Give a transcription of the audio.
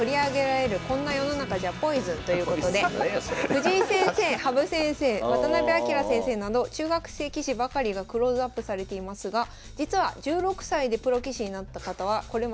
藤井先生羽生先生渡辺明先生など中学生棋士ばかりがクローズアップされていますが実は１６歳でプロ棋士になった方はこれまで８人しかおりません。